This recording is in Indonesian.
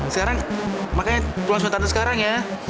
sekarang makanya pulang sama tante sekarang ya